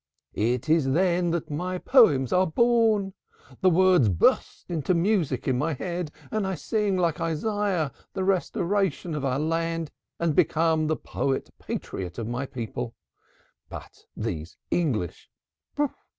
"It is then that my poems are born. The words burst into music in my head and I sing like Isaiah the restoration of our land, and become the poet patriot of my people. But these English!